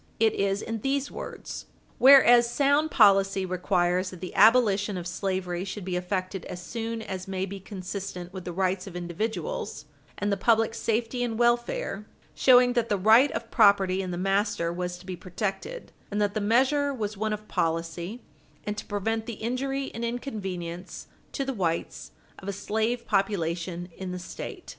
It is in these words: "Whereas sound policy requires that the abolition of slavery should be effected as soon as may be consistent with the rights of individuals, and the public safety and welfare" showing that the right of property in the master was to be protected, and that the measure was one of policy, and to prevent the injury and inconvenience to the whites of a slave population in the State.